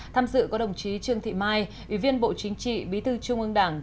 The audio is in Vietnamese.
tham dự có đồng chí trương thị mai ủy viên bộ chính trị bí thư trung ương đảng